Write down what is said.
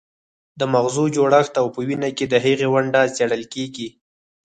د مغزو جوړښت او په وینا کې د هغې ونډه څیړل کیږي